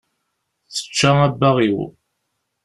Tečča abbaɣ-iw